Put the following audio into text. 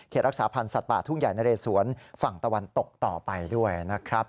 รักษาพันธ์สัตว์ป่าทุ่งใหญ่นะเรสวนฝั่งตะวันตกต่อไปด้วยนะครับ